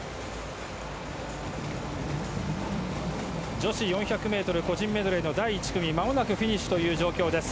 女子４００ｍ個人メドレーの第１組、まもなくフィニッシュという状況です。